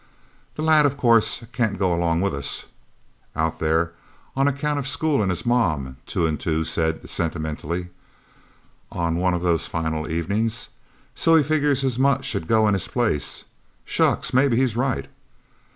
"The lad of course can't go along with us, Out There, on account of school and his Mom," Two and Two said sentimentally, on one of those final evenings. "So he figures his mutt should go in his place. Shucks, maybe he's right!